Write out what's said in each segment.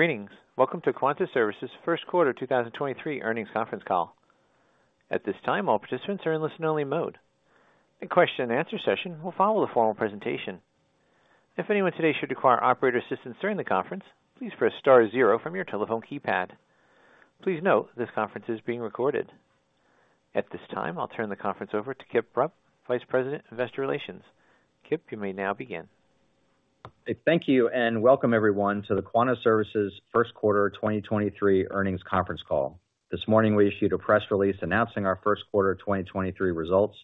Greetings. Welcome to Quanta Services' First Quarter 2023 Earnings Conference Call. At this time, all participants are in listen-only mode. A question-and-answer session will follow the formal presentation. If anyone today should require operator assistance during the conference, please press star zero from your telephone keypad. Please note this conference is being recorded. At this time, I'll turn the conference over to Kip Rupp, Vice President, Investor Relations. Kip, you may now begin. Thank you. Welcome everyone to the Quanta Services First Quarter 2023 Earnings Conference Call. This morning, we issued a press release announcing our first quarter 2023 results,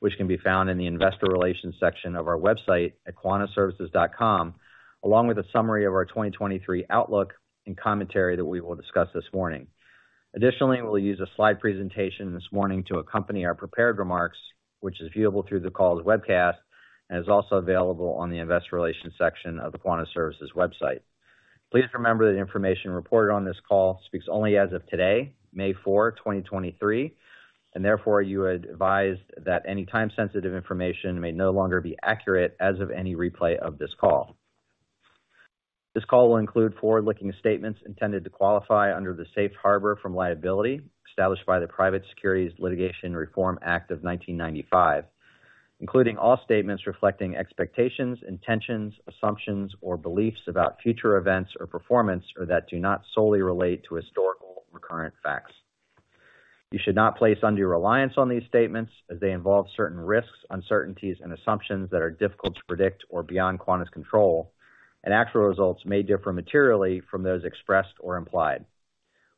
which can be found in the Investor Relations section of our website at quantaservices.com, along with a summary of our 2023 outlook and commentary that we will discuss this morning. Additionally, we'll use a slide presentation this morning to accompany our prepared remarks, which is viewable through the call's webcast and is also available on the Investor Relations section of the Quanta Services website. Please remember that information reported on this call speaks only as of today, May 4, 2023, and therefore you are advised that any time-sensitive information may no longer be accurate as of any replay of this call. This call will include forward-looking statements intended to qualify under the safe harbor from liability established by the Private Securities Litigation Reform Act of 1995, including all statements reflecting expectations, intentions, assumptions or beliefs about future events or performance, or that do not solely relate to historical or current facts. You should not place undue reliance on these statements as they involve certain risks, uncertainties, and assumptions that are difficult to predict or beyond Quanta's control, and actual results may differ materially from those expressed or implied.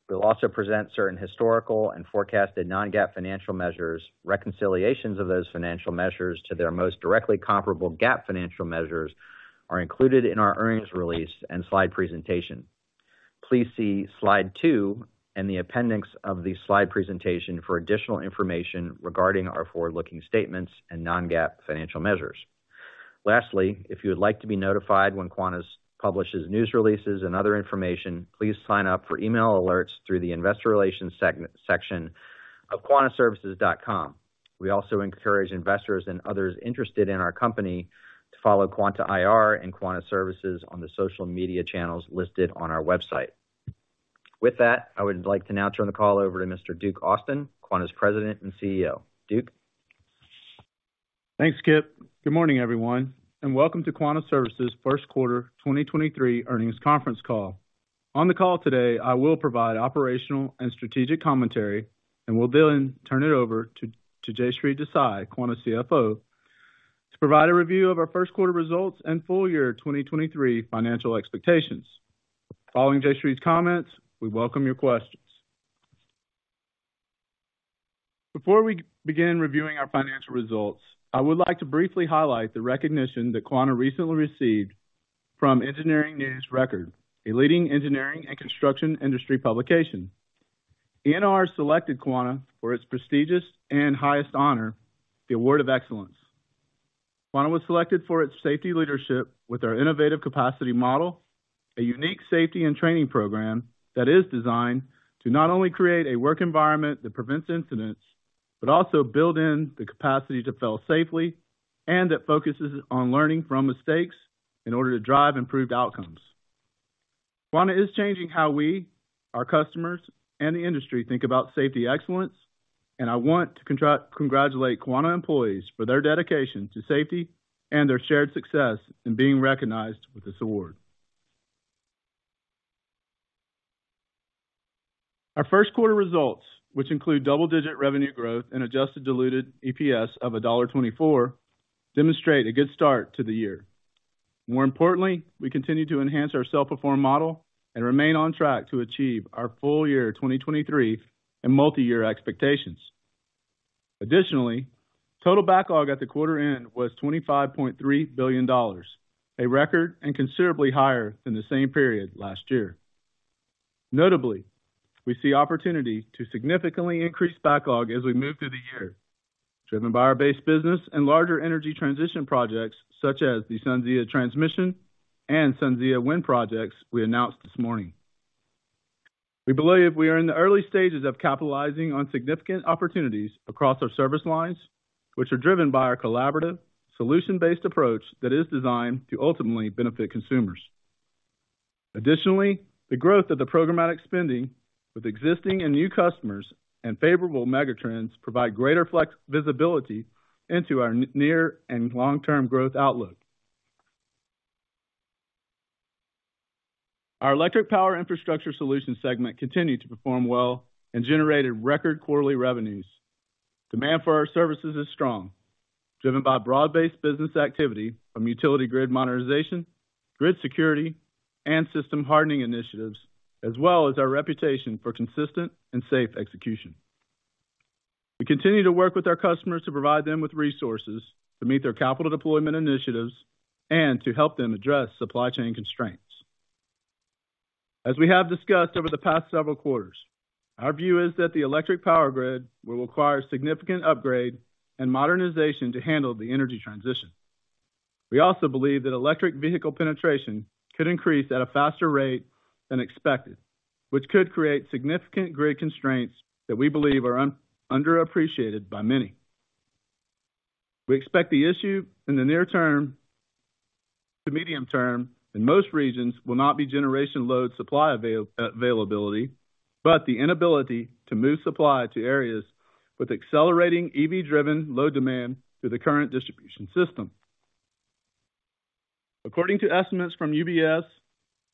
We'll also present certain historical and forecasted non-GAAP financial measures. Reconciliations of those financial measures to their most directly comparable GAAP financial measures are included in our earnings release and slide presentation. Please see slide two and the appendix of the slide presentation for additional information regarding our forward-looking statements and non-GAAP financial measures. Lastly, if you would like to be notified when Quanta publishes news releases and other information, please sign up for email alerts through the Investor Relations section of quantaservices.com. We also encourage investors and others interested in our company to follow Quanta IR and Quanta Services on the social media channels listed on our website. With that, I would like to now turn the call over to Mr. Duke Austin, Quanta's President and CEO. Duke? Thanks, Kip. Good morning, everyone, and welcome to Quanta Services first quarter 2023 earnings conference call. On the call today, I will provide operational and strategic commentary, and will then turn it over to Jayshree Desai, Quanta CFO, to provide a review of our first quarter results and full year 2023 financial expectations. Following Jayshree's comments, we welcome your questions. Before we begin reviewing our financial results, I would like to briefly highlight the recognition that Quanta recently received from Engineering News-Record, a leading engineering and construction industry publication. ENR selected Quanta for its prestigious and highest honor, the Award of Excellence. Quanta was selected for its safety leadership with our innovative Capacity Model, a unique safety and training program that is designed to not only create a work environment that prevents incidents, but also build in the capacity to fail safely, and that focuses on learning from mistakes in order to drive improved outcomes. Quanta is changing how we, our customers, and the industry think about safety excellence, and I want to congratulate Quanta employees for their dedication to safety and their shared success in being recognized with this award. Our first quarter results, which include double-digit revenue growth and Adjusted Diluted EPS of $1.24, demonstrate a good start to the year. More importantly, we continue to enhance our self-perform model and remain on track to achieve our full year 2023 and multi-year expectations. Additionally, total backlog at the quarter end was $25.3 billion, a record and considerably higher than the same period last year. Notably, we see opportunity to significantly increase backlog as we move through the year, driven by our base business and larger energy transition projects such as the SunZia Transmission and SunZia Wind projects we announced this morning. We believe we are in the early stages of capitalizing on significant opportunities across our service lines, which are driven by our collaborative solution-based approach that is designed to ultimately benefit consumers. Additionally, the growth of the programmatic spending with existing and new customers and favorable mega trends provide greater visibility into our near and long-term growth outlook. Our electric power infrastructure solution segment continued to perform well and generated record quarterly revenues. Demand for our services is strong, driven by broad-based business activity from utility grid modernization, grid security, and system hardening initiatives, as well as our reputation for consistent and safe execution. We continue to work with our customers to provide them with resources to meet their capital deployment initiatives and to help them address supply chain constraints. As we have discussed over the past several quarters, our view is that the electric power grid will require significant upgrade and modernization to handle the energy transition. We also believe that electric vehicle penetration could increase at a faster rate than expected, which could create significant grid constraints that we believe are un-underappreciated by many. We expect the issue in the near term to medium term in most regions will not be generation load supply availability, but the inability to move supply to areas with accelerating EV-driven load demand through the current distribution system. According to estimates from UBS,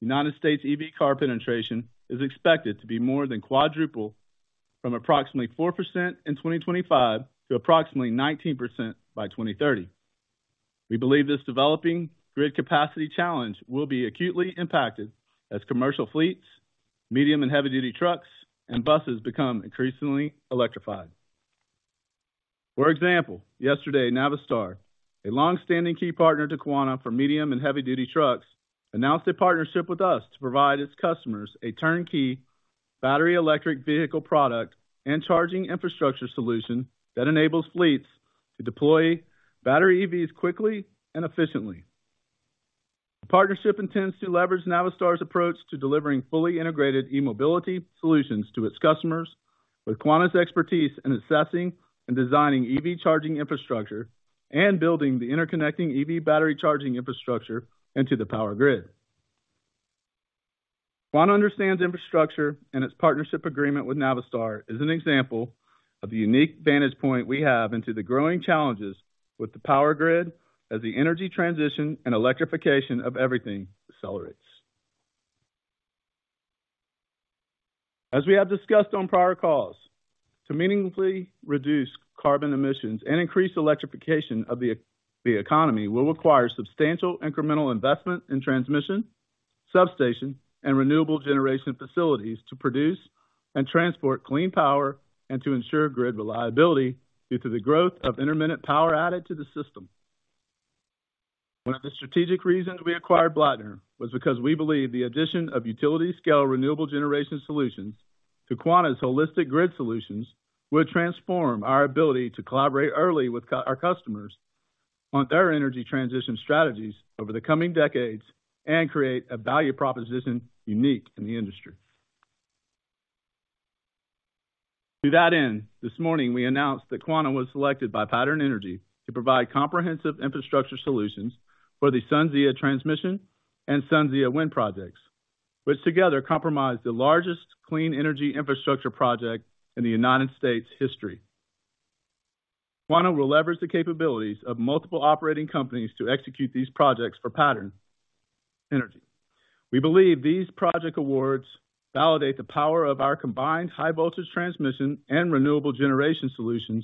United States EV car penetration is expected to be more than quadruple from approximately 4% in 2025 to approximately 19% by 2030. We believe this developing grid capacity challenge will be acutely impacted as commercial fleets, medium and heavy duty trucks, and buses become increasingly electrified. For example, yesterday, Navistar, a long-standing key partner to Quanta for medium and heavy duty trucks, announced a partnership with us to provide its customers a turnkey battery electric vehicle product and charging infrastructure solution that enables fleets to deploy battery EVs quickly and efficiently. The partnership intends to leverage Navistar's approach to delivering fully integrated e-mobility solutions to its customers with Quanta's expertise in assessing and designing EV charging infrastructure and building the interconnecting EV battery charging infrastructure into the power grid. Quanta understands infrastructure and its partnership agreement with Navistar is an example of the unique vantage point we have into the growing challenges with the power grid as the energy transition and electrification of everything accelerates. As we have discussed on prior calls, to meaningfully reduce carbon emissions and increase electrification of the economy will require substantial incremental investment in transmission, substation, and renewable generation facilities to produce and transport clean power and to ensure grid reliability due to the growth of intermittent power added to the system. One of the strategic reasons we acquired Blattner was because we believe the addition of utility-scale renewable generation solutions to Quanta's holistic grid solutions would transform our ability to collaborate early with our customers on their energy transition strategies over the coming decades and create a value proposition unique in the industry. To that end, this morning we announced that Quanta was selected by Pattern Energy to provide comprehensive infrastructure solutions for the SunZia Transmission and SunZia Wind projects, which together compromise the largest clean energy infrastructure project in the United States history. Quanta will leverage the capabilities of multiple operating companies to execute these projects for Pattern Energy. We believe these project awards validate the power of our combined high voltage transmission and renewable generation solutions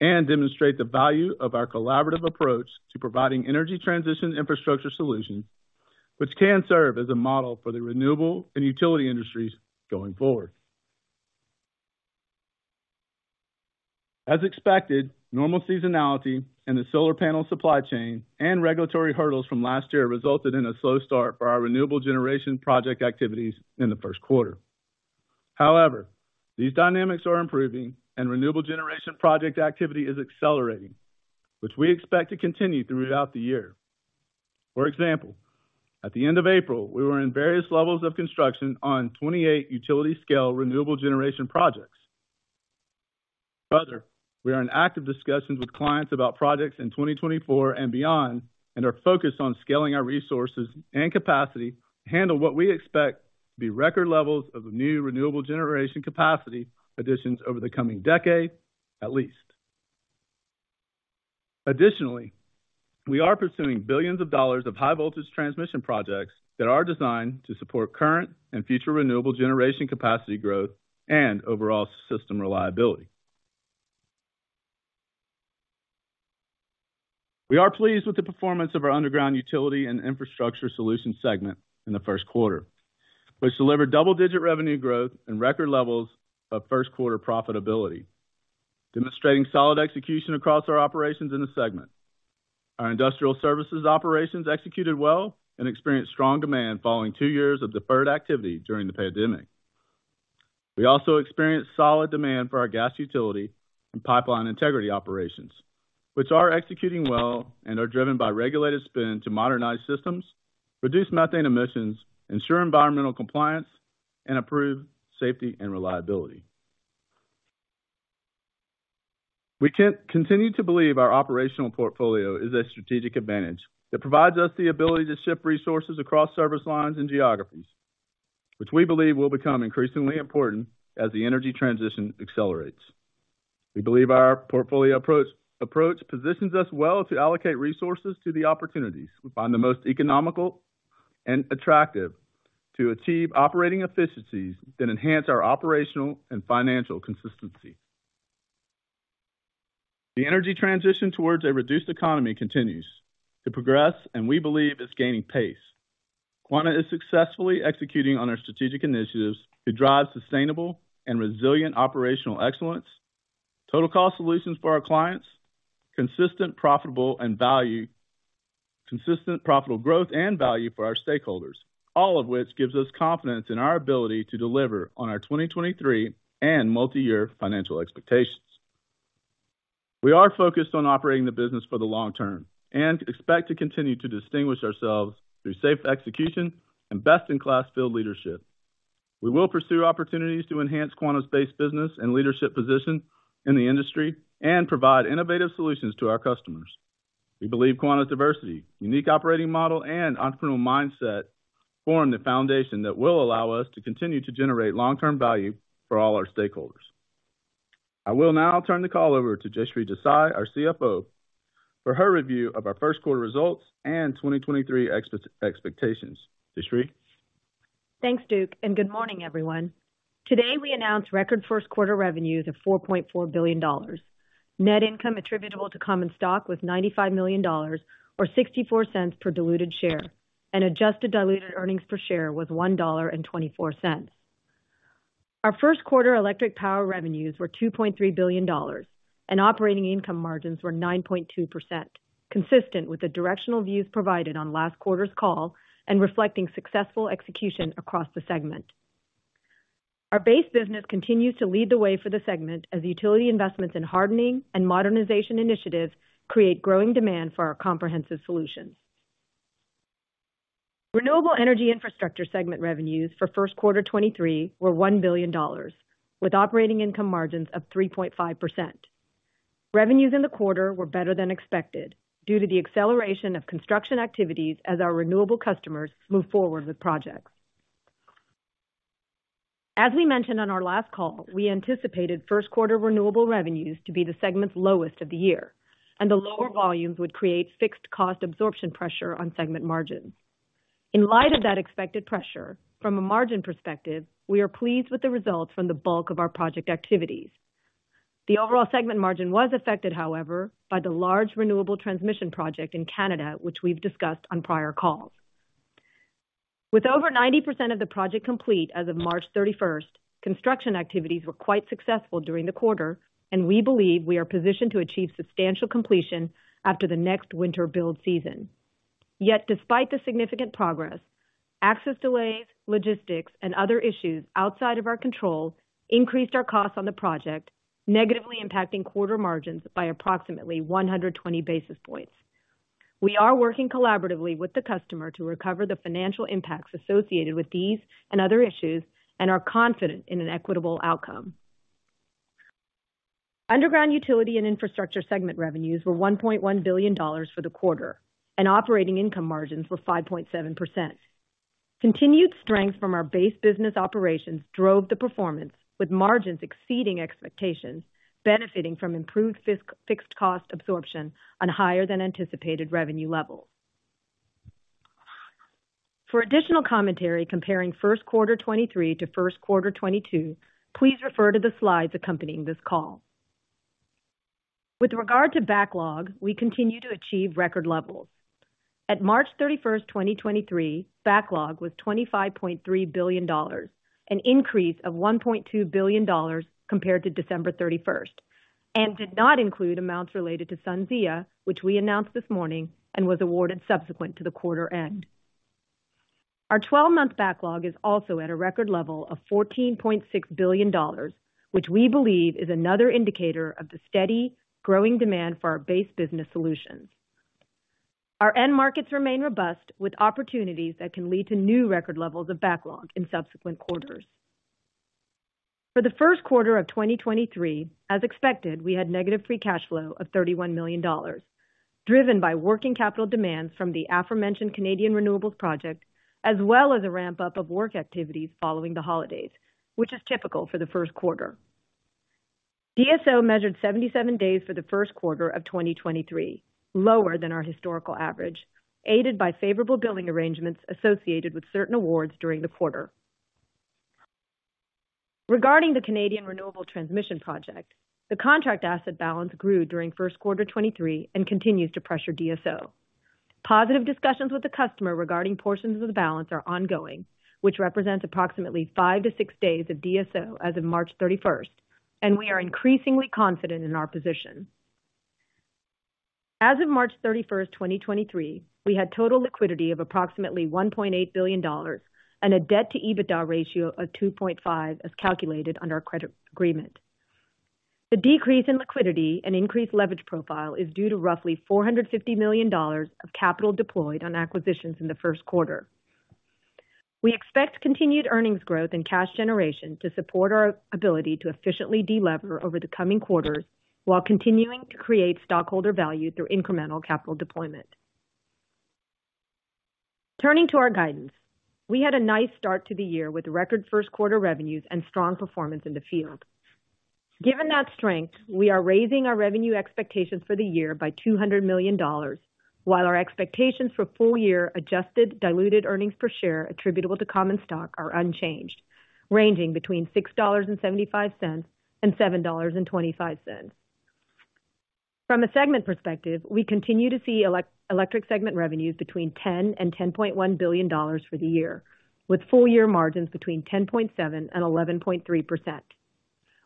and demonstrate the value of our collaborative approach to providing energy transition infrastructure solutions, which can serve as a model for the renewable and utility industries going forward. As expected, normal seasonality in the solar panel supply chain and regulatory hurdles from last year resulted in a slow start for our renewable generation project activities in the first quarter. These dynamics are improving and renewable generation project activity is accelerating, which we expect to continue throughout the year. For example, at the end of April, we were in various levels of construction on 28 utility-scale renewable generation projects. We are in active discussions with clients about projects in 2024 and beyond and are focused on scaling our resources and capacity to handle what we expect to be record levels of new renewable generation capacity additions over the coming decade, at least. We are pursuing billions of dollars high voltage transmission projects that are designed to support current and future renewable generation capacity growth and overall system reliability. We are pleased with the performance of our underground utility and infrastructure solutions segment in the first quarter, which delivered double-digit revenue growth and record levels of first quarter profitability, demonstrating solid execution across our operations in the segment. Our industrial services operations executed well and experienced strong demand following two years of deferred activity during the pandemic. We also experienced solid demand for our gas utility and pipeline integrity operations, which are executing well and are driven by regulated spend to modernize systems, reduce methane emissions, ensure environmental compliance, and improve safety and reliability. We continue to believe our operational portfolio is a strategic advantage that provides us the ability to shift resources across service lines and geographies, which we believe will become increasingly important as the energy transition accelerates. We believe our portfolio approach positions us well to allocate resources to the opportunities we find the most economical and attractive to achieve operating efficiencies that enhance our operational and financial consistency. The energy transition towards a reduced economy continues to progress and we believe is gaining pace. Quanta is successfully executing on our strategic initiatives to drive sustainable and resilient operational excellence, total cost solutions for our clients, consistent, profitable growth and value for our stakeholders, all of which gives us confidence in our ability to deliver on our 2023 and multi-year financial expectations. We are focused on operating the business for the long term and expect to continue to distinguish ourselves through safe execution and best-in-class field leadership. We will pursue opportunities to enhance Quanta's based business and leadership position in the industry and provide innovative solutions to our customers. We believe Quanta's diversity, unique operating model, and entrepreneurial mindset form the foundation that will allow us to continue to generate long-term value for all our stakeholders. I will now turn the call over to Jayshree Desai, our CFO, for her review of our first quarter results and 2023 expectations. Jayshree? Thanks, Duke. Good morning, everyone. Today, we announced record first quarter revenues of $4.4 billion. Net income attributable to common stock was $95 million or $0.64 per diluted share, and adjusted diluted earnings per share was $1.24. Our first quarter electric power revenues were $2.3 billion, and operating income margins were 9.2%, consistent with the directional views provided on last quarter's call and reflecting successful execution across the segment. Our base business continues to lead the way for the segment as utility investments in hardening and modernization initiatives create growing demand for our comprehensive solutions. Renewable energy infrastructure segment revenues for first quarter 2023 were $1 billion, with operating income margins of 3.5%. Revenues in the quarter were better than expected due to the acceleration of construction activities as our renewable customers move forward with projects. As we mentioned on our last call, we anticipated first quarter renewable revenues to be the segment's lowest of the year, and the lower volumes would create fixed cost absorption pressure on segment margins. In light of that expected pressure, from a margin perspective, we are pleased with the results from the bulk of our project activities. The overall segment margin was affected, however, by the large renewable transmission project in Canada, which we've discussed on prior calls. With over 90% of the project complete as of March thirty-first, construction activities were quite successful during the quarter, and we believe we are positioned to achieve substantial completion after the next winter build season. Yet despite the significant progress, access delays, logistics, and other issues outside of our control increased our costs on the project, negatively impacting quarter margins by approximately 120 basis points. We are working collaboratively with the customer to recover the financial impacts associated with these and other issues and are confident in an equitable outcome. Underground utility and infrastructure segment revenues were $1.1 billion for the quarter and operating income margins were 5.7%. Continued strength from our base business operations drove the performance with margins exceeding expectations, benefiting from improved fixed cost absorption on higher than anticipated revenue levels. For additional commentary comparing first quarter 2023 to first quarter 2022, please refer to the slides accompanying this call. With regard to backlog, we continue to achieve record levels. At March 31st, 2023, backlog was $25.3 billion, an increase of $1.2 billion compared to December 31st, and did not include amounts related to SunZia, which we announced this morning and was awarded subsequent to the quarter end. Our 12-month backlog is also at a record level of $14.6 billion, which we believe is another indicator of the steady growing demand for our base business solutions. Our end markets remain robust with opportunities that can lead to new record levels of backlog in subsequent quarters. For the first quarter of 2023, as expected, we had negative free cash flow of $31 million, driven by working capital demands from the aforementioned Canadian renewables project, as well as a ramp-up of work activities following the holidays, which is typical for the first quarter. DSO measured 77 days for the first quarter of 2023, lower than our historical average, aided by favorable billing arrangements associated with certain awards during the quarter. Regarding the Canadian Renewable Transmission Project, the contract asset balance grew during first quarter 23 and continues to pressure DSO. Positive discussions with the customer regarding portions of the balance are ongoing, which represents approximately five to six days of DSO as of March 31st, and we are increasingly confident in our position. As of March 31st, 2023, we had total liquidity of approximately $1.8 billion and a debt-to-EBITDA ratio of 2.5, as calculated under our credit agreement. The decrease in liquidity and increased leverage profile is due to roughly $450 million of capital deployed on acquisitions in the first quarter. We expect continued earnings growth and cash generation to support our ability to efficiently de-lever over the coming quarters while continuing to create stockholder value through incremental capital deployment. Turning to our guidance. We had a nice start to the year with record first quarter revenues and strong performance in the field. Given that strength, we are raising our revenue expectations for the year by $200 million, while our expectations for full year adjusted diluted earnings per share attributable to common stock are unchanged, ranging between $6.75 and $7.25. From a segment perspective, we continue to see electric segment revenues between $10 billion-$10.1 billion for the year, with full year margins between 10.7%-11.3%.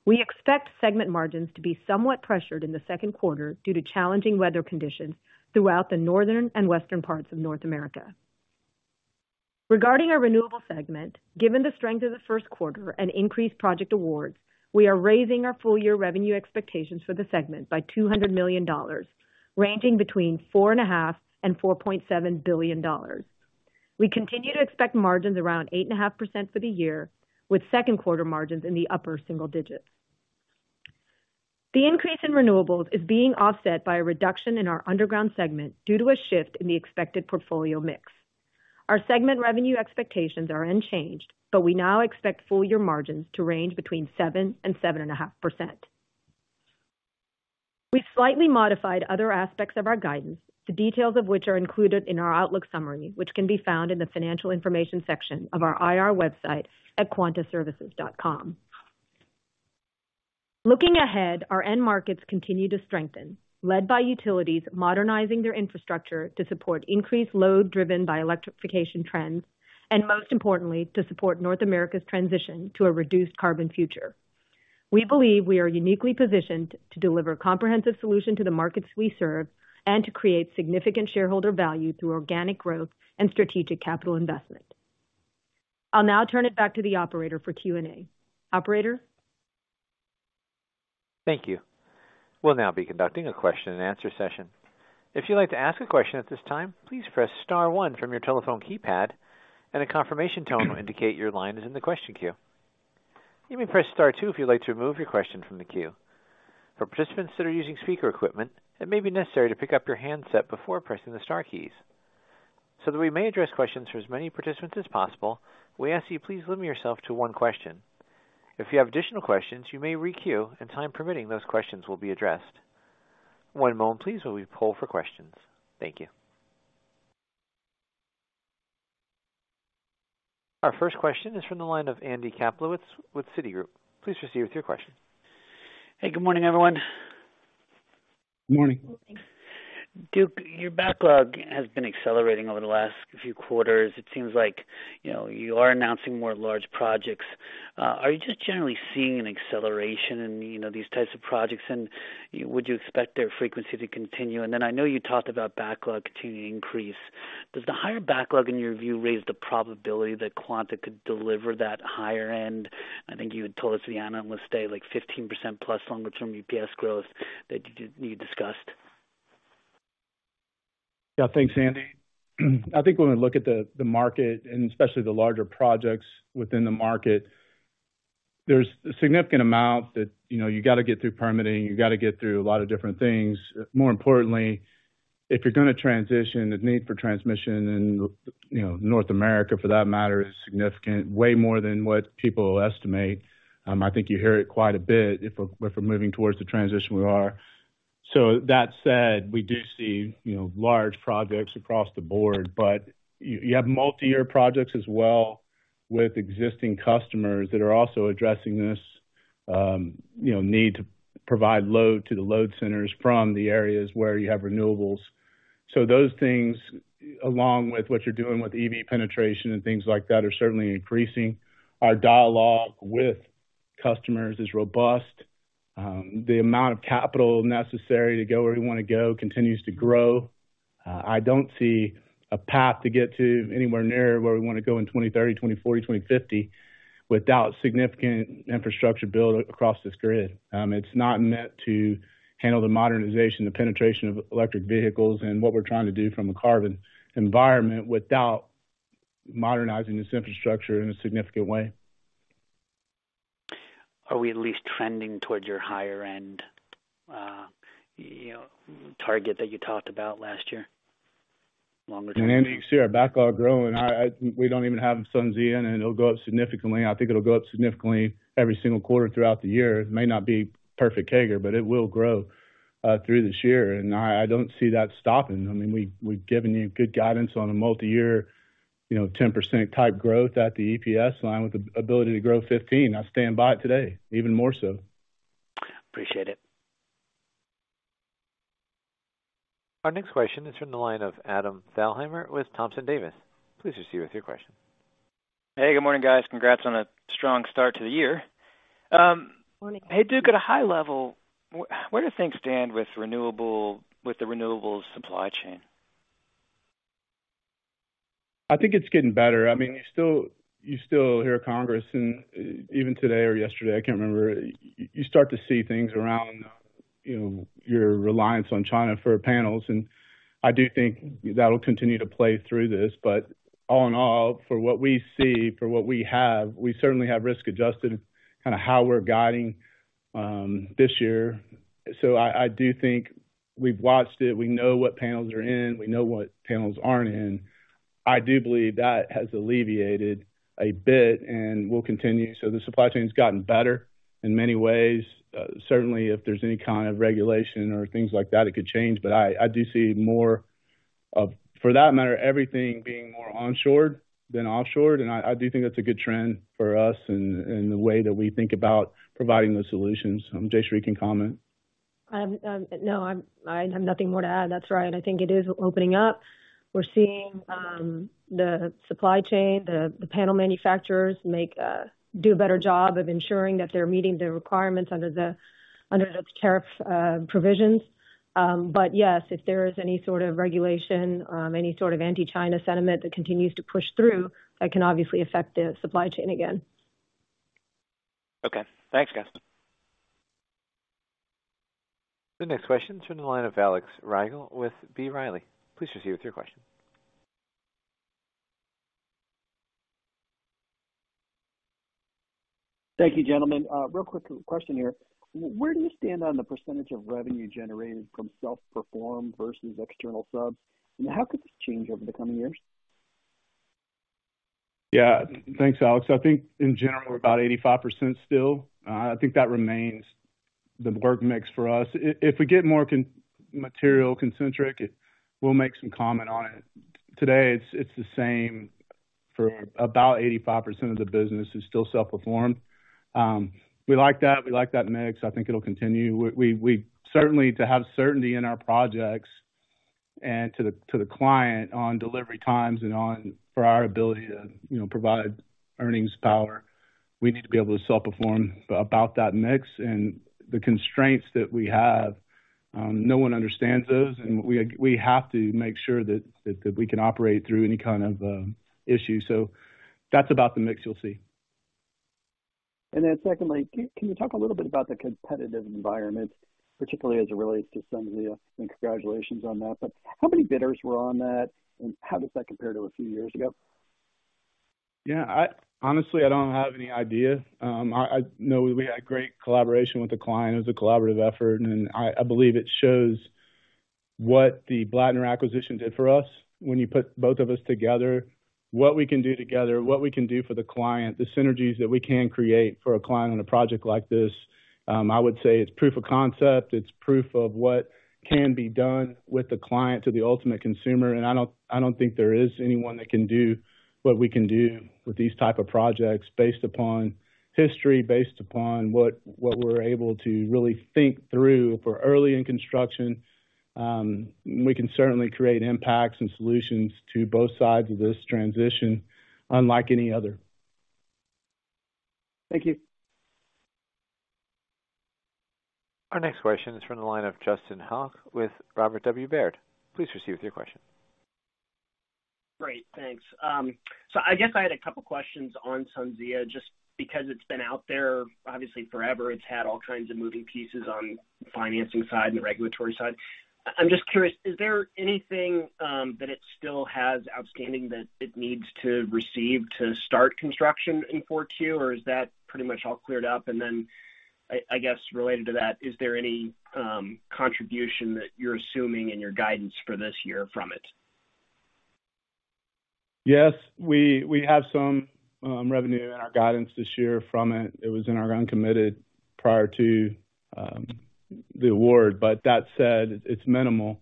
We expect segment margins to be somewhat pressured in the second quarter due to challenging weather conditions throughout the northern and western parts of North America. Regarding our renewable segment, given the strength of the first quarter and increased project awards, we are raising our full-year revenue expectations for the segment by $200 million, ranging between four and a half billion dollars and $4.7 billion. We continue to expect margins around 8.5% for the year, with second quarter margins in the upper single digits. The increase in renewables is being offset by a reduction in our underground segment due to a shift in the expected portfolio mix. Our segment revenue expectations are unchanged, we now expect full year margins to range between 7% and 7.5%. We've slightly modified other aspects of our guidance, the details of which are included in our outlook summary, which can be found in the financial information section of our IR website at quantaservices.com. Looking ahead, our end markets continue to strengthen, led by utilities modernizing their infrastructure to support increased load driven by electrification trends, and most importantly, to support North America's transition to a reduced carbon future. We believe we are uniquely positioned to deliver comprehensive solution to the markets we serve and to create significant shareholder value through organic growth and strategic capital investment. I'll now turn it back to the operator for Q&A. Operator? Thank you. We'll now be conducting a question-and-answer session. If you'd like to ask a question at this time, please press star one from your telephone keypad and a confirmation tone will indicate your line is in the question queue. You may press star two if you'd like to remove your question from the queue. For participants that are using speaker equipment, it may be necessary to pick up your handset before pressing the star keys. That we may address questions for as many participants as possible, we ask you please limit yourself to one question. If you have additional questions, you may re-queue and time permitting those questions will be addressed. One moment please while we poll for questions. Thank you. Our first question is from the line of Andy Kaplowitz with Citigroup. Please proceed with your question. Hey, good morning, everyone. Morning. Morning. Duke, your backlog has been accelerating over the last few quarters. It seems like, you know, you are announcing more large projects. Are you just generally seeing an acceleration in, you know, these types of projects, and would you expect their frequency to continue? I know you talked about backlog continuing to increase. Does the higher backlog in your view raise the probability that Quanta could deliver that higher end? I think you had told us the analyst day like 15% plus longer term EPS growth that you discussed. Yeah. Thanks, Andy. I think when we look at the market and especially the larger projects within the market, there's a significant amount that, you know, you gotta get through permitting, you gotta get through a lot of different things. More importantly, if you're gonna transition, the need for transmission and, you know, North America for that matter is significant, way more than what people estimate. I think you hear it quite a bit if we're moving towards the transition we are. That said, we do see, you know, large projects across the board, but you have multi-year projects as well with existing customers that are also addressing this, you know, need to provide load to the load centers from the areas where you have renewables. Those things, along with what you're doing with EV penetration and things like that, are certainly increasing. Our dialogue with customers is robust. The amount of capital necessary to go where we wanna go continues to grow. I don't see a path to get to anywhere near where we wanna go in 2030, 2040, 2050 without significant infrastructure build across this grid. It's not meant to handle the modernization, the penetration of electric vehicles and what we're trying to do from a carbon environment without modernizing this infrastructure in a significant way. Are we at least trending towards your higher end, you know, target that you talked about last year? Longer term. Andy, you see our backlog growing. We don't even have SunZia in, it'll go up significantly. I think it'll go up significantly every single quarter throughout the year. It may not be perfect CAGR, it will grow through this year. I don't see that stopping. I mean, we've given you good guidance on a multi-year, you know, 10% type growth at the EPS line with the ability to grow 15%. I stand by it today, even more so. Appreciate it. Our next question is from the line of Adam Thalhimer with Thompson Davis. Please proceed with your question. Hey, good morning, guys. Congrats on a strong start to the year. Morning. Hey, Duke, at a high level, where do things stand with the renewables supply chain? I think it's getting better. I mean, you still, you still hear Congress and even today or yesterday, I can't remember, you start to see things around, you know, your reliance on China for panels, and I do think that'll continue to play through this. All in all, for what we see, for what we have, we certainly have risk adjusted kinda how we're guiding this year. I do think we've watched it. We know what panels are in, we know what panels aren't in. I do believe that has alleviated a bit and will continue. The supply chain's gotten better in many ways. Certainly if there's any kind of regulation or things like that, it could change. I do see more of, for that matter, everything being more onshored than offshored. I do think that's a good trend for us in the way that we think about providing those solutions. Jayshree can comment. No, I have nothing more to add. That's right. I think it is opening up. We're seeing the supply chain, the panel manufacturers do a better job of ensuring that they're meeting the requirements under the tariff provisions. Yes, if there is any sort of regulation, any sort of anti-China sentiment that continues to push through, that can obviously affect the supply chain again. Okay. Thanks, guys. The next question's from the line of Alex Rygiel with B. Riley. Please proceed with your question. Thank you, gentlemen. Real quick question here. Where do you stand on the % of revenue generated from self-performed versus external subs? How could this change over the coming years? Yeah, thanks, Alex. I think in general, we're about 85% still. I think that remains the work mix for us. If we get more material concentric, we'll make some comment on it. Today, it's the same for about 85% of the business is still self-performed. We like that. We like that mix. I think it'll continue. We certainly to have certainty in our projects and to the client on delivery times and on for our ability to, you know, provide earnings power, we need to be able to self-perform about that mix and the constraints that we have, no one understands those. We have to make sure that we can operate through any kind of issue. That's about the mix you'll see. Secondly, can you talk a little bit about the competitive environment, particularly as it relates to some of the. Congratulations on that. How many bidders were on that, and how does that compare to a few years ago? Yeah, honestly, I don't have any idea. I know we had great collaboration with the client. It was a collaborative effort, I believe it shows what the Blattner acquisition did for us. When you put both of us together, what we can do together, what we can do for the client, the synergies that we can create for a client on a project like this, I would say it's proof of concept. It's proof of what can be done with the client to the ultimate consumer. I don't, I don't think there is anyone that can do what we can do with these type of projects based upon history, based upon what we're able to really think through for early in construction. We can certainly create impacts and solutions to both sides of this transition unlike any other. Thank you. Our next question is from the line of Justin Hauke with Robert W. Baird. Please receive with your question. Great, thanks. I guess I had a couple questions on SunZia just because it's been out there obviously forever. It's had all kinds of moving pieces on the financing side and the regulatory side. I'm just curious, is there anything that it still has outstanding that it needs to receive to start construction in 4Q, or is that pretty much all cleared up? I guess related to that, is there any contribution that you're assuming in your guidance for this year from it? Yes. We have some revenue in our guidance this year from it. It was in our uncommitted prior to the award. That said, it's minimal.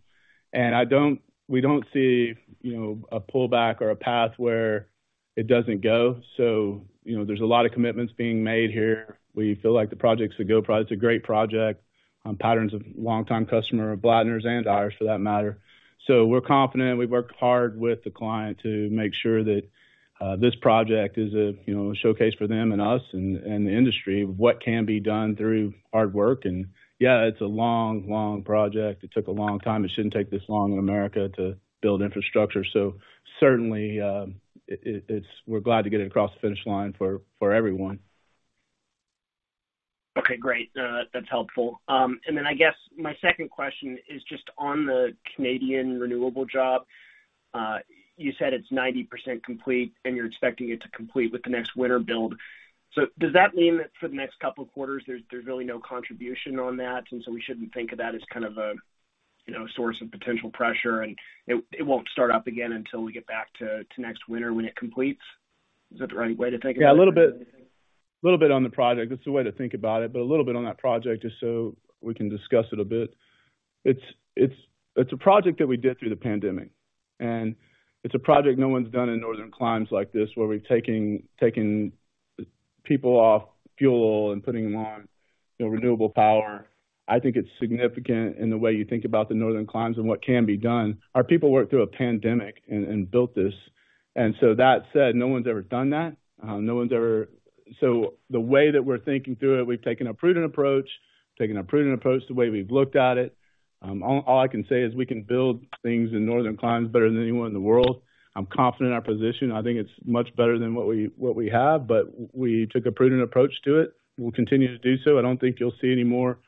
We don't see, you know, a pullback or a path where it doesn't go. You know, there's a lot of commitments being made here. We feel like the project's a go project. It's a great project on Pattern Energy of longtime customer of Blattner and ours for that matter. We're confident. We've worked hard with the client to make sure that this project is a, you know, a showcase for them and us and the industry of what can be done through hard work. Yeah, it's a long, long project. It took a long time. It shouldn't take this long in America to build infrastructure. Certainly, we're glad to get it across the finish line for everyone. Okay, great. That's helpful. I guess my second question is just on the Canadian renewable job. You said it's 90% complete, and you're expecting it to complete with the next winter build. Does that mean that for the next couple of quarters, there's really no contribution on that, we shouldn't think of that as kind of a, you know, source of potential pressure, and it won't start up again until we get back to next winter when it completes? Is that the right way to think of it? Yeah, a little bit. A little bit on the project. That's the way to think about it, but a little bit on that project, just so we can discuss it a bit. It's a project that we did through the pandemic, and it's a project no one's done in northern climes like this, where we're taking people off fuel and putting them on, you know, renewable power. I think it's significant in the way you think about the northern climes and what can be done. Our people worked through a pandemic and built this. That said, no one's ever done that. The way that we're thinking through it, we've taken a prudent approach the way we've looked at it. All I can say is we can build things in northern climes better than anyone in the world. I'm confident in our position. I think it's much better than what we have, but we took a prudent approach to it. We'll continue to do so. I don't think you'll see any more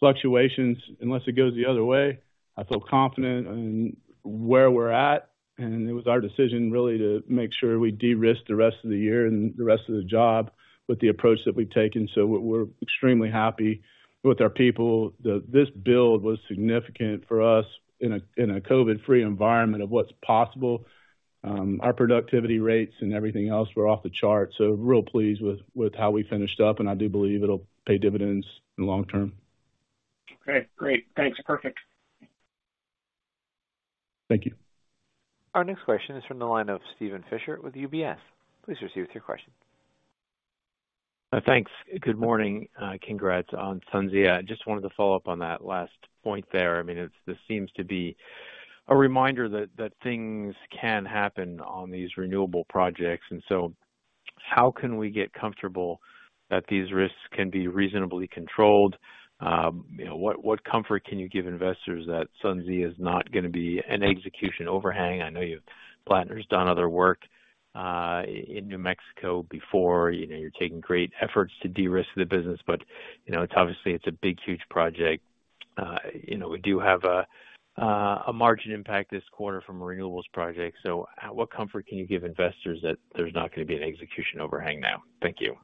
fluctuations unless it goes the other way. I feel confident in where we're at, and it was our decision really to make sure we de-risk the rest of the year and the rest of the job with the approach that we've taken. We're extremely happy with our people. This build was significant for us in a, in a COVID free environment of what's possible. Our productivity rates and everything else were off the chart, so real pleased with how we finished up, and I do believe it'll pay dividends in the long term. Okay, great. Thanks. Perfect. Thank you. Our next question is from the line of Steven Fisher with UBS. Please receive with your question. Thanks. Good morning. Congrats on SunZia. Just wanted to follow up on that last point there. I mean, this seems to be a reminder that things can happen on these renewable projects. How can we get comfortable that these risks can be reasonably controlled? You know, what comfort can you give investors that SunZia is not gonna be an execution overhang? I know Blattner's done other work in New Mexico before. You know, you're taking great efforts to de-risk the business but, you know, it's obviously it's a big, huge project. You know, we do have a margin impact this quarter from renewables projects. What comfort can you give investors that there's not gonna be an execution overhang now? Thank you.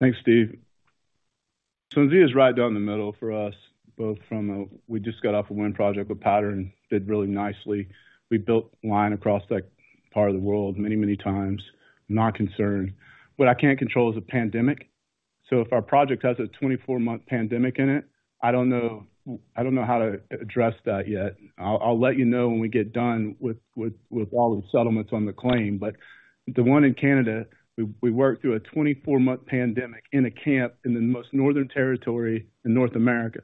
Thanks, Steve. SunZia is right down the middle for us, both. We just got off a wind project with Pattern, did really nicely. We built line across that part of the world many, many times. Not concerned. What I can't control is a pandemic. If our project has a 24-month pandemic in it, I don't know how to address that yet. I'll let you know when we get done with all of the settlements on the claim. The one in Canada, we worked through a 24-month pandemic in a camp in the most northern territory in North America.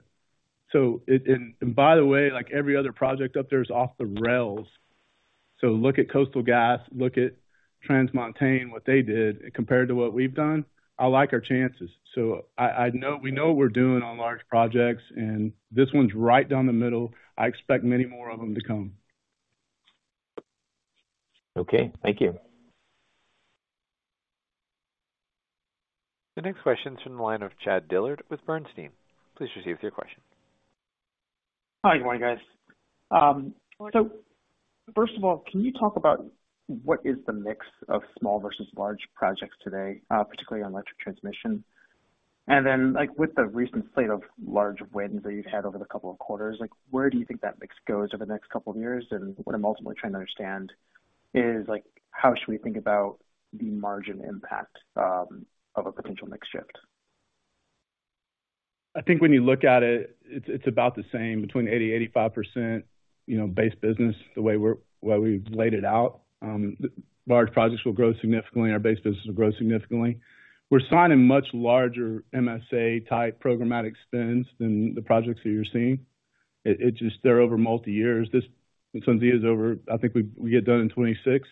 By the way, like every other project up there is off the rails. Look at Coastal GasLink, look at Trans Mountain, what they did compared to what we've done. I like our chances. I know we know what we're doing on large projects, and this one's right down the middle. I expect many more of them to come. Okay. Thank you. The next question is from the line of Chad Dillard with Bernstein. Please proceed with your question. Hi, good morning, guys. First of all, can you talk about what is the mix of small versus large projects today, particularly on electric transmission? Like with the recent slate of large wins that you've had over the couple of quarters, like where do you think that mix goes over the next couple of years? What I'm ultimately trying to understand is like how should we think about the margin impact of a potential mix shift? I think when you look at it's about the same between 80%-85%, you know, base business, the way we've laid it out. Large projects will grow significantly. Our base business will grow significantly. We're signing much larger MSA-type programmatic spends than the projects that you're seeing. It just they're over multi years. This SunZia is over, I think we get done in 2026.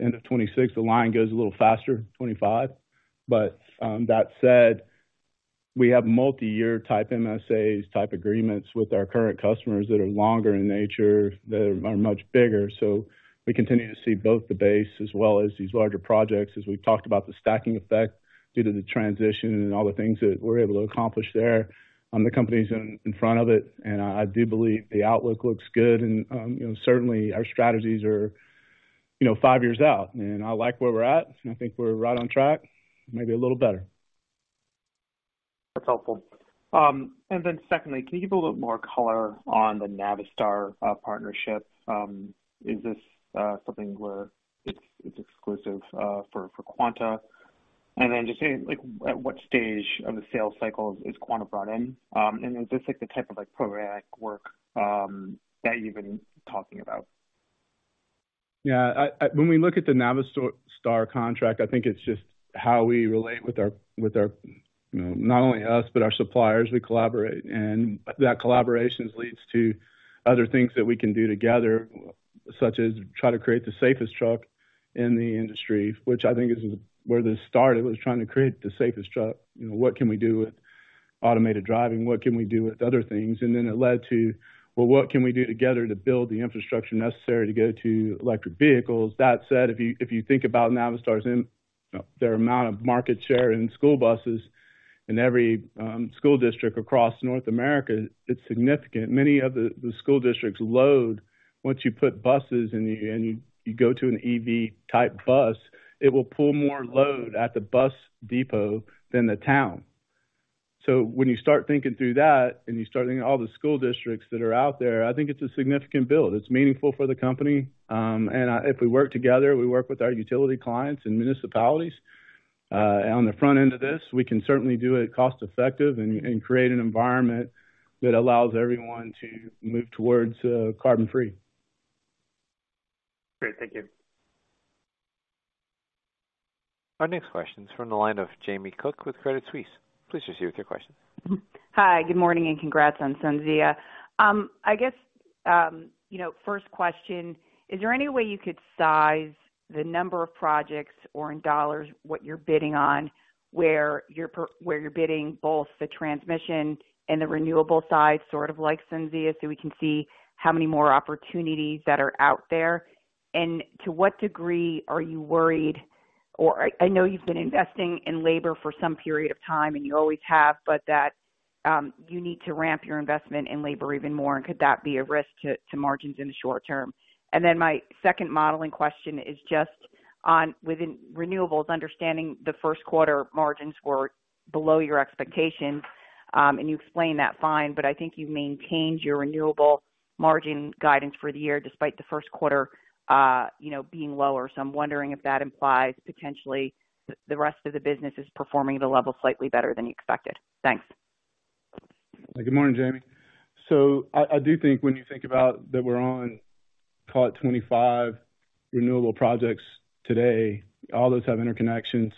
End of 2026. The line goes a little faster, 2025. That said, we have multi-year type MSAs, type agreements with our current customers that are longer in nature, that are much bigger. We continue to see both the base as well as these larger projects as we've talked about the stacking effect due to the transition and all the things that we're able to accomplish there. The company's in front of it, and I do believe the outlook looks good. You know, certainly our strategies are, you know, five years out, and I like where we're at, and I think we're right on track, maybe a little better. That's helpful. Secondly, can you give a little more color on the Navistar partnership? Is this something where it's exclusive for Quanta? Just say, like, at what stage of the sales cycle is Quanta brought in? Is this like the type of like programmatic work that you've been talking about? Yeah. When we look at the Navistar contract, I think it's just how we relate with our, you know, not only us, but our suppliers. We collaborate, and that collaborations leads to other things that we can do together, such as try to create the safest truck in the industry, which I think is where this started, was trying to create the safest truck. You know, what can we do with automated driving? What can we do with other things? It led to, well, what can we do together to build the infrastructure necessary to go to electric vehicles? That said, if you think about Navistar's. Their amount of market share in school buses in every school district across North America, it's significant. Many of the school districts load once you put buses in and you go to an EV-type bus, it will pull more load at the bus depot than the town. When you start thinking through that and you start thinking all the school districts that are out there, I think it's a significant build. It's meaningful for the company. If we work together, we work with our utility clients and municipalities on the front end of this, we can certainly do it cost-effective and create an environment that allows everyone to move towards carbon free. Great. Thank you. Our next question is from the line of Jamie Cook with Credit Suisse. Please proceed with your question. Hi. Good morning. Congrats on SunZia. I guess, you know, first question, is there any way you could size the number of projects or in dollars what you're bidding on, where you're bidding both the transmission and the renewable side, sort of like SunZia so we can see how many more opportunities that are out there? To what degree are you worried or... I know you've been investing in labor for some period of time, and you always have, but that, you need to ramp your investment in labor even more. Could that be a risk to margins in the short term? My second modeling question is just on within renewables, understanding the first quarter margins were below your expectations, and you explained that fine, but I think you've maintained your renewable margin guidance for the year despite the first quarter, you know, being lower. I'm wondering if that implies potentially the rest of the business is performing at a level slightly better than you expected. Thanks. Good morning, Jamie. I do think when you think about that we're on call it 25 renewable projects today, all those have interconnections.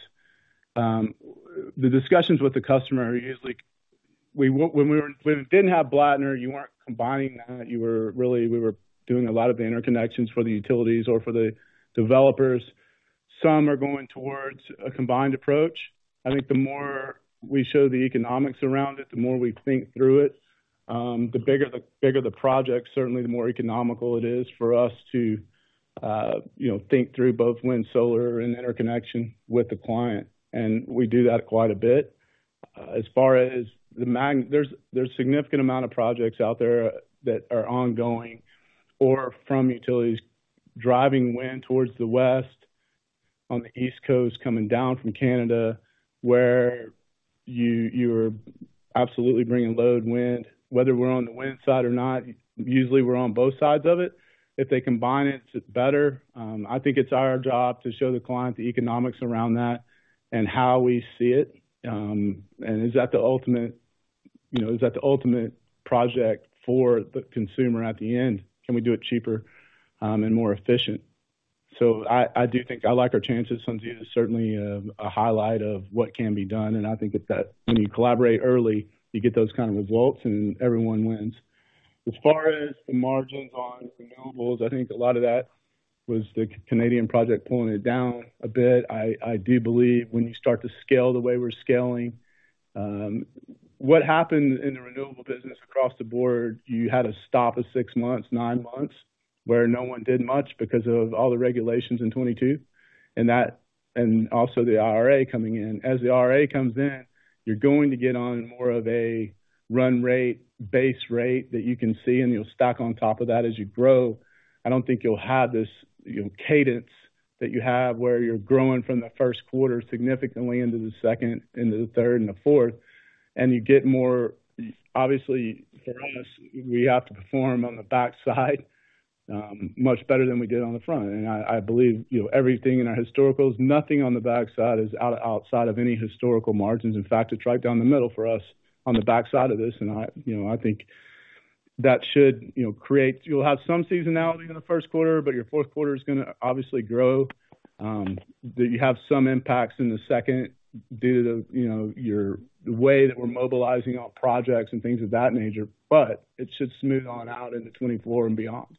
The discussions with the customer are usually when we didn't have Blattner, you weren't combining that. We were doing a lot of the interconnections for the utilities or for the developers. Some are going towards a combined approach. I think the more we show the economics around it, the more we think through it. The bigger the project, certainly the more economical it is for us to, you know, think through both wind, solar and interconnection with the client. We do that quite a bit. There's significant amount of projects out there that are ongoing or from utilities driving wind towards the west, on the east coast, coming down from Canada, where you're absolutely bringing load wind. Whether we're on the wind side or not, usually we're on both sides of it. If they combine it's better. I think it's our job to show the client the economics around that and how we see it. And is that the ultimate, you know, is that the ultimate project for the consumer at the end? Can we do it cheaper and more efficient? I do think I like our chances. SunZia is certainly a highlight of what can be done, and I think it's that when you collaborate early, you get those kind of results, and everyone wins. As far as the margins on renewables, I think a lot of that was the Canadian project pulling it down a bit. I do believe when you start to scale the way we're scaling. What happened in the renewable business across the board, you had a stop of six months, nine months, where no one did much because of all the regulations in 2022, and also the IRA coming in. As the IRA comes in, you're going to get on more of a run rate, base rate that you can see, and you'll stack on top of that as you grow. I don't think you'll have this, you know, cadence that you have where you're growing from the first quarter significantly into the second, into the third and the fourth, and you get more... Obviously, for us, we have to perform on the backside, much better than we did on the front. I believe, you know, everything in our historical, nothing on the backside is outside of any historical margins. In fact, it's right down the middle for us on the backside of this. I, you know, I think that should, you know, You'll have some seasonality in the first quarter, but your fourth quarter is gonna obviously grow. That you have some impacts in the second due to the, you know, the way that we're mobilizing on projects and things of that nature. It should smooth on out into 2024 and beyond.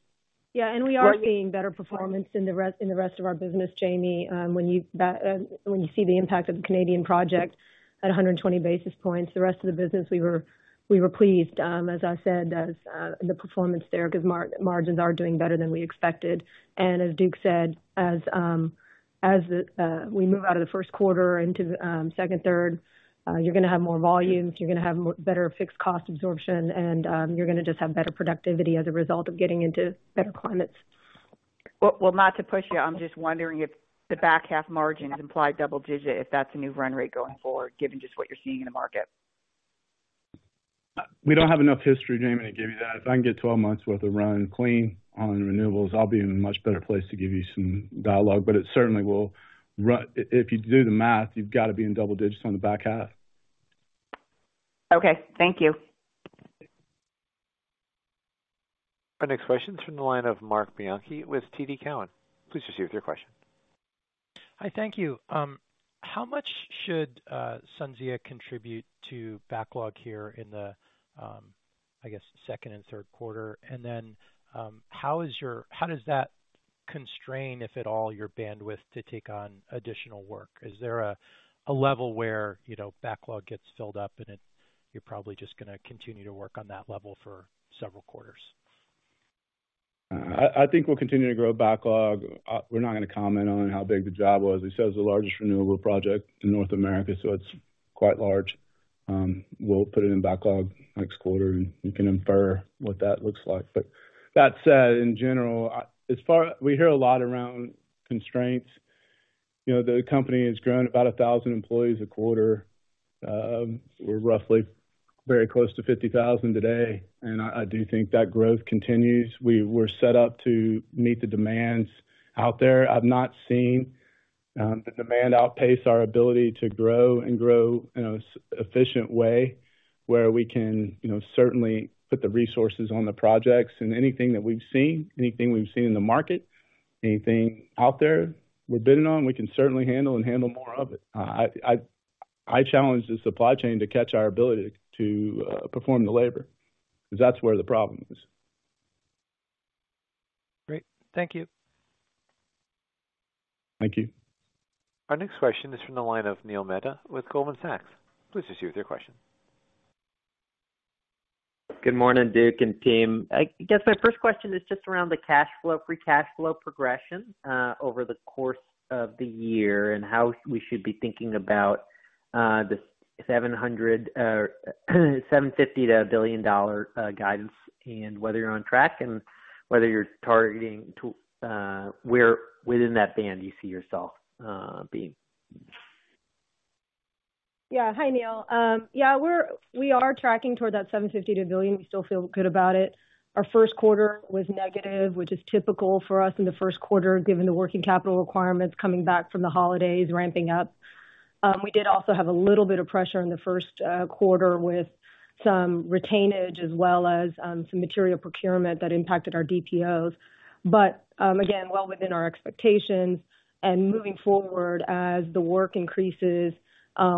We are seeing better performance in the rest of our business, Jamie. When you see the impact of the Canadian project at 120 basis points, the rest of the business we were pleased. As I said, the performance there, 'cause margins are doing better than we expected. As Duke said, as we move out of the first quarter into the second, third, you're gonna have more volumes, you're gonna have better fixed cost absorption, and you're gonna just have better productivity as a result of getting into better climates. Well, not to push you, I'm just wondering if the back half margin implied double digit, if that's a new run rate going forward, given just what you're seeing in the market? We don't have enough history, Jamie, to give you that. If I can get 12 months worth of run clean on renewables, I'll be in a much better place to give you some dialogue. It certainly will If you do the math, you've got to be in double digits on the back half. Okay. Thank you. Our next question is from the line of Marc Bianchi with TD Cowen. Please proceed with your question. Hi. Thank you. How much should SunZia contribute to backlog here in the, I guess second and third quarter? How does that constrain, if at all, your bandwidth to take on additional work? Is there a level where, you know, backlog gets filled up and you're probably just gonna continue to work on that level for several quarters? I think we'll continue to grow backlog. We're not gonna comment on how big the job was. It says the largest renewable project in North America, so it's quite large. We'll put it in backlog next quarter, and you can infer what that looks like. That said, in general, we hear a lot around constraints. You know, the company has grown about 1,000 employees a quarter. We're roughly very close to 50,000 today, and I do think that growth continues. We're set up to meet the demands out there. I've not seen, the demand outpace our ability to grow and grow in a efficient way where we can, you know, certainly put the resources on the projects and anything we've seen in the market, anything out there we're bidding on, we can certainly handle and handle more of it. I challenge the supply chain to catch our ability to perform the labor, because that's where the problem is. Great. Thank you. Thank you. Our next question is from the line of Neil Mehta with Goldman Sachs. Please proceed with your question. Good morning, Duke and team. I guess my first question is just around the cash flow, free cash flow progression over the course of the year and how we should be thinking about the $700 million, $750 million to $1 billion guidance and whether you're on track and whether you're targeting to where within that band you see yourself being. Hi, Neil. We are tracking toward that $750 million-$1 billion. We still feel good about it. Our first quarter was negative, which is typical for us in the first quarter, given the working capital requirements coming back from the holidays ramping up. We did also have a little bit of pressure in the first quarter with some retainage as well as some material procurement that impacted our DPO. Again, well within our expectations. Moving forward as the work increases,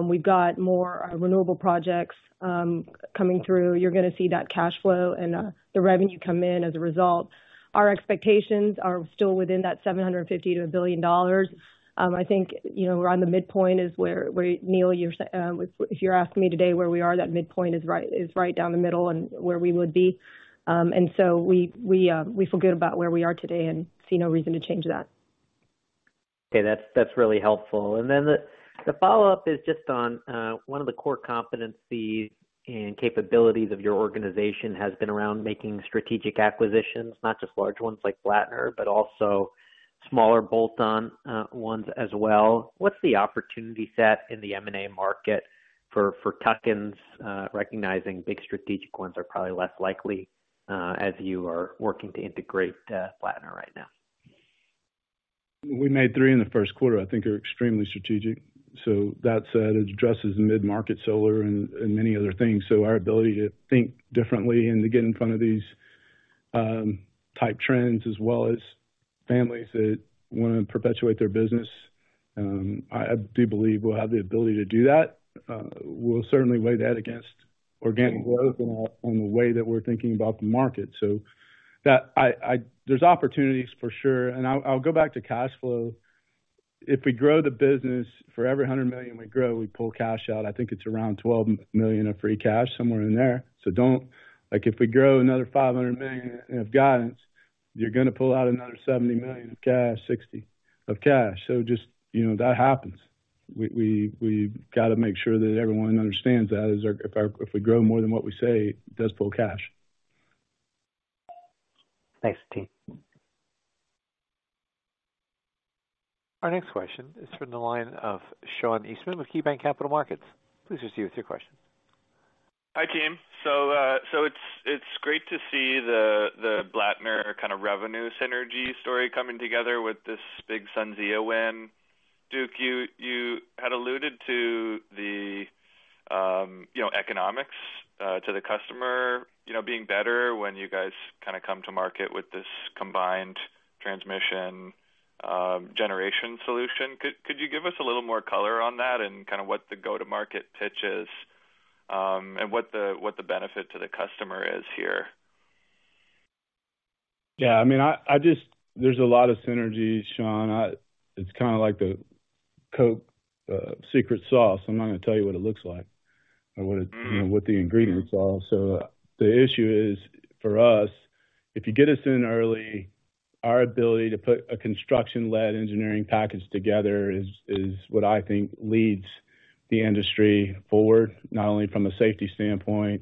we've got more renewable projects coming through. You're gonna see that cash flow and the revenue come in as a result. Our expectations are still within that $750 million-$1 billion. I think, you know, we're on the midpoint is where, Neil, if you're asking me today where we are, that midpoint is right down the middle and where we would be. We feel good about where we are today and see no reason to change that. Okay, that's really helpful. The follow-up is just on one of the core competencies and capabilities of your organization has been around making strategic acquisitions, not just large ones like Blattner, but also smaller bolt-on ones as well. What's the opportunity set in the M&A market for tuck-ins, recognizing big strategic ones are probably less likely as you are working to integrate Blattner right now? We made three in the first quarter, I think are extremely strategic. That said, it addresses mid-market solar and many other things. Our ability to think differently and to get in front of these type trends as well as families that want to perpetuate their business, I do believe we'll have the ability to do that. We'll certainly weigh that against organic growth on the way that we're thinking about the market. That. There's opportunities for sure. I'll go back to cash flow. If we grow the business, for every $100 million we grow, we pull cash out. I think it's around $12 million of free cash, somewhere in there. Don't. Like if we grow another $500 million of guidance, you're gonna pull out another $70 million of cash, $60 of cash. Just, you know, that happens. We've gotta make sure that everyone understands if we grow more than what we say, it does pull cash. Thanks, team. Our next question is from the line of Sean Eastman with KeyBanc Capital Markets. Please proceed with your question. Hi, team. It's great to see the Blattner kind of revenue synergy story coming together with this big SunZia win. Duke, you had alluded to the, you know, economics to the customer, you know, being better when you guys kinda come to market with this combined transmission, generation solution. Could you give us a little more color on that and kind of what the go-to-market pitch is, and what the benefit to the customer is here? I mean, I just. There's a lot of synergies, Sean. It's kinda like the Coke secret sauce. I'm not gonna tell you what it looks like or what it, you know, what the ingredients are. The issue is, for us, if you get us in early, our ability to put a construction-led engineering package together is what I think leads the industry forward, not only from a safety standpoint,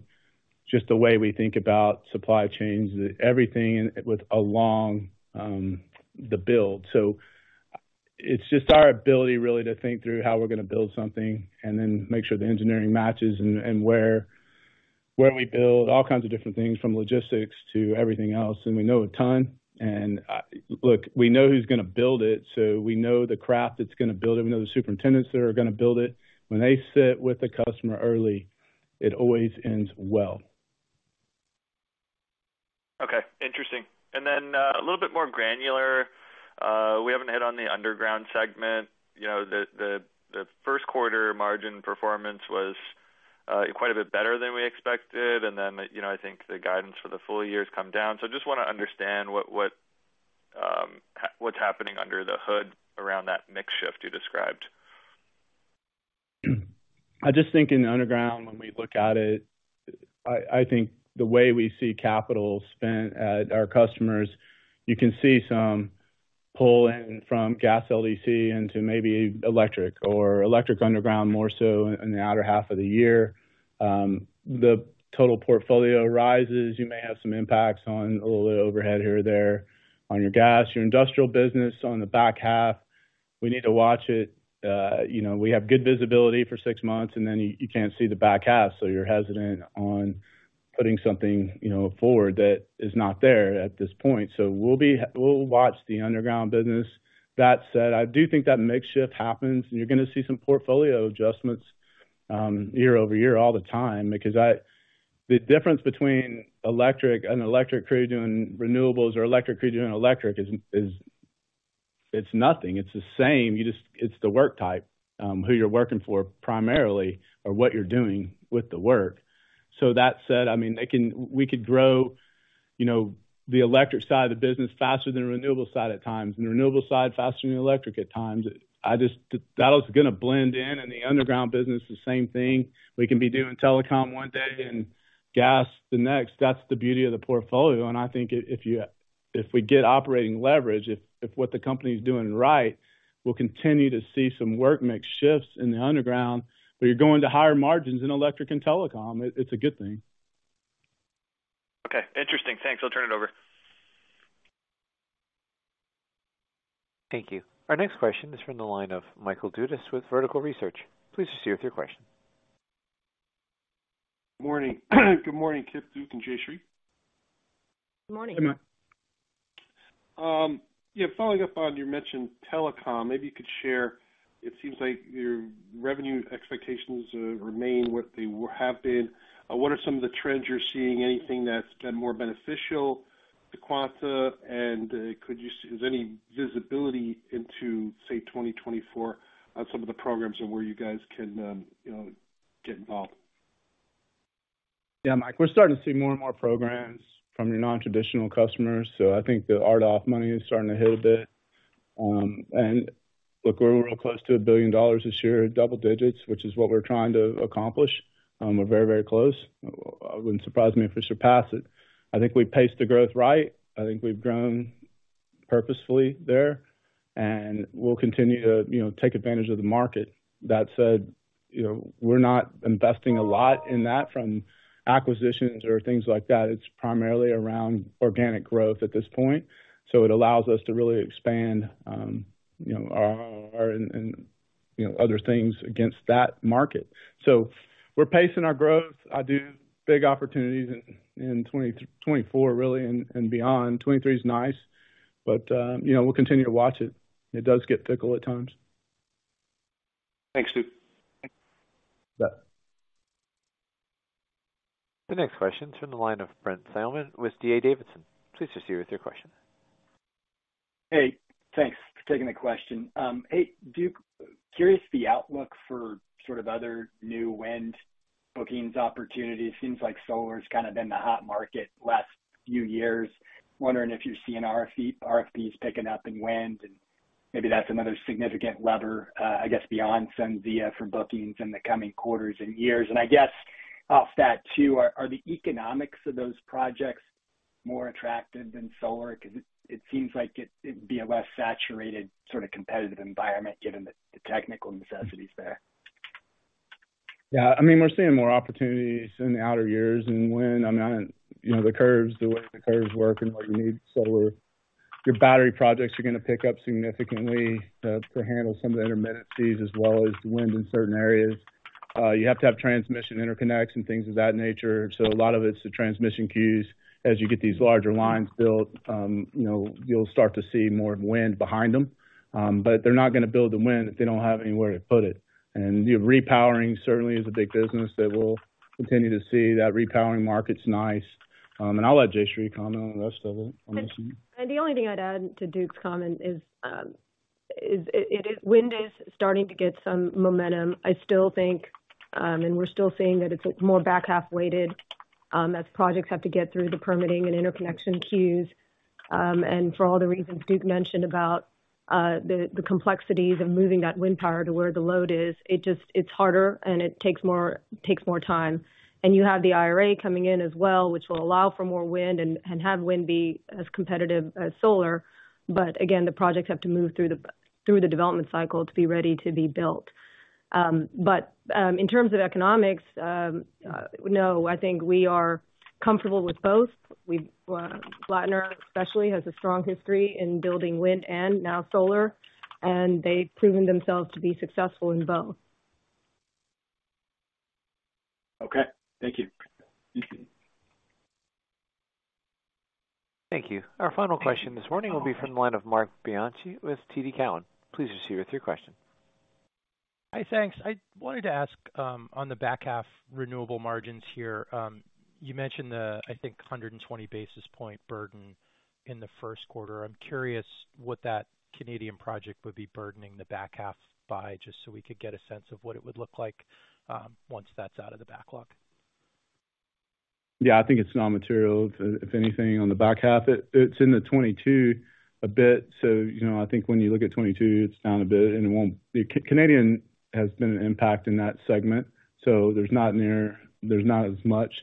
just the way we think about supply chains, everything with along the build. It's just our ability really to think through how we're gonna build something and then make sure the engineering matches and where we build all kinds of different things from logistics to everything else. We know a ton. Look, we know who's gonna build it, so we know the craft that's gonna build it. We know the superintendents that are gonna build it. When they sit with the customer early, it always ends well. Okay, interesting. A little bit more granular, we haven't hit on the underground segment. You know, the, the first quarter margin performance was quite a bit better than we expected. You know, I think the guidance for the full year has come down. Just wanna understand what, what's happening under the hood around that mix shift you described. I just think in the underground, when we look at it, I think the way we see capital spent at our customers, you can see some pull in from gas LDC into maybe electric or electric underground more so in the outer half of the year. The total portfolio rises. You may have some impacts on a little bit overhead here or there on your gas. Your industrial business on the back half, we need to watch it. You know, we have good visibility for six months, and then you can't see the back half, so you're hesitant on putting something, you know, forward that is not there at this point. We'll watch the underground business. That said, I do think that mix shift happens, and you're gonna see some portfolio adjustments, year-over-year all the time because the difference between electric and electric crew doing renewables or electric crew doing electric is it's nothing. It's the same. You just. It's the work type, who you're working for primarily or what you're doing with the work. That said, I mean, we could grow, you know, the electric side of the business faster than the renewable side at times, and the renewable side faster than the electric at times. That was gonna blend in the underground business, the same thing. We can be doing telecom one day and gas the next. That's the beauty of the portfolio. I think if we get operating leverage, if what the company is doing right, we'll continue to see some work mix shifts in the underground, where you're going to higher margins in electric and telecom. It's a good thing. Okay, interesting. Thanks. I'll turn it over. Thank you. Our next question is from the line of Michael Dudas with Vertical Research. Please proceed with your question. Morning. Good morning, Kip, Duke, and Jayshree. Good morning. Hey, Mike. Yeah, following up on, you mentioned telecom, maybe you could share, it seems like your revenue expectations remain what they have been. What are some of the trends you're seeing? Anything that's been more beneficial to Quanta? Is any visibility into, say, 2024 on some of the programs and where you guys can, you know, get involved? Yeah, Michael, we're starting to see more and more programs from your non-traditional customers. I think the RDOF money is starting to hit a bit. Look, we're real close to $1 billion this year, double digits, which is what we're trying to accomplish. We're very, very close. Well, it wouldn't surprise me if we surpass it. I think we paced the growth right. I think we've grown purposefully there, and we'll continue to, you know, take advantage of the market. That said, you know, we're not investing a lot in that from acquisitions or things like that. It's primarily around organic growth at this point. It allows us to really expand, you know, our, and, you know, other things against that market. We're pacing our growth. I do big opportunities in 2024 really and beyond. 2023 is nice, but, you know, we'll continue to watch it. It does get fickle at times. Thanks, Duke. You bet. The next question is from the line of Brent Thielman with D.A. Davidson. Please proceed with your question. Hey, thanks for taking the question. Hey, Duke, curious the outlook for sort of other new wind bookings opportunities. Seems like solar's kind of been the hot market last few years. Wondering if you're seeing RFP picking up in wind, and maybe that's another significant lever, I guess, beyond SunZia for bookings in the coming quarters and years. I guess off that too, are the economics of those projects more attractive than solar? 'Cause it seems like it'd be a less saturated sort of competitive environment given the technical necessities there. Yeah. I mean, we're seeing more opportunities in the outer years in wind. I mean, you know, the curves, the way the curves work and what you need solar. Your battery projects are gonna pick up significantly to handle some of the intermittencies as well as the wind in certain areas. You have to have transmission interconnects and things of that nature, so a lot of it's the transmission queues. As you get these larger lines built, you know, you'll start to see more wind behind them. But they're not gonna build the wind if they don't have anywhere to put it. Repowering certainly is a big business that we'll continue to see. That repowering market's nice. I'll let Jayshree comment on the rest of it. I'm assuming. The only thing I'd add to Duke's comment is, it is wind is starting to get some momentum. I still think we're still seeing that it's more back half weighted as projects have to get through the permitting and interconnection queues. For all the reasons Duke mentioned about the complexities of moving that wind power to where the load is, it just, it's harder and it takes more time. You have the IRA coming in as well, which will allow for more wind and have wind be as competitive as solar. Again, the projects have to move through the development cycle to be ready to be built. In terms of economics, no, I think we are comfortable with both. We've, Blattner especially has a strong history in building wind and now solar, and they've proven themselves to be successful in both. Okay. Thank you. Mm-hmm. Thank you. Our final question this morning will be from the line of Marc Bianchi with TD Cowen. Please proceed with your question. Hi, thanks. I wanted to ask on the back half renewable margins here. You mentioned the, I think, 120 basis point burden in the first quarter. I'm curious what that Canadian project would be burdening the back half by, just so we could get a sense of what it would look like, once that's out of the backlog. Yeah. I think it's non-material. If anything on the back half, it's in the 22 a bit. You know, I think when you look at 22, it's down a bit and it won't. The C-Canadian has been an impact in that segment. There's not as much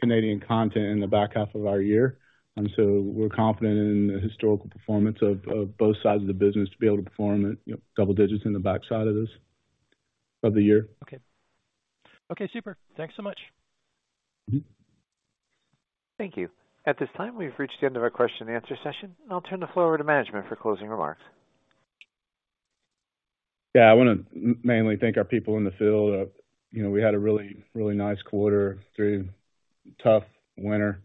Canadian content in the back half of our year. We're confident in the historical performance of both sides of the business to be able to perform at, you know, double digits in the backside of this, of the year. Okay. Okay, super. Thanks so much. Mm-hmm. Thank you. At this time, we've reached the end of our question-and-answer session. I'll turn the floor to management for closing remarks. Yeah. I wanna mainly thank our people in the field. You know, we had a really, really nice quarter through tough winter.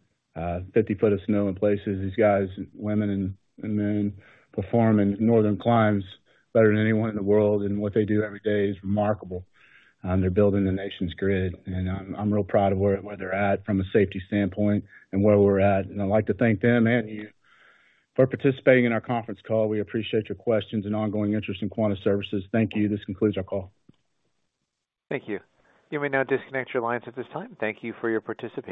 50 ft of snow in places. These guys, women and men perform in northern climes better than anyone in the world, and what they do every day is remarkable. They're building the nation's grid, and I'm real proud of where they're at from a safety standpoint and where we're at. I'd like to thank them and you for participating in our conference call. We appreciate your questions and ongoing interest in Quanta Services. Thank you. This concludes our call. Thank you. You may now disconnect your lines at this time. Thank you for your participation.